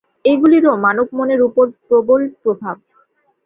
এইগুলিরও মানবমনের উপর প্রবল প্রভাব।